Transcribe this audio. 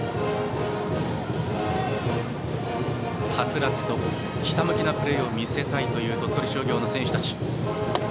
はつらつとひたむきなプレーを見せたいという鳥取商業の選手たち。